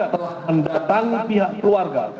telah mendatangi pihak keluarga